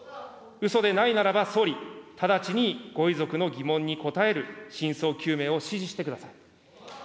うそでないならば総理、直ちにご遺族の疑問に答える真相究明を指示してください。